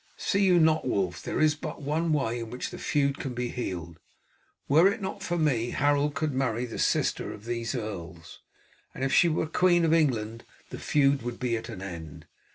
See you not, Wulf, there is but one way in which the feud can be healed? Were it not for me Harold could marry the sister of these earls, and if she were Queen of England the feud would be at an end.